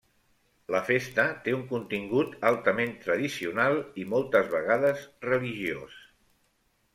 La festa té un contingut altament tradicional i moltes vegades religiós.